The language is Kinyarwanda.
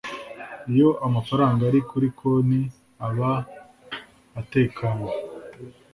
iyo amafaranga ari kuri konti aba atekanye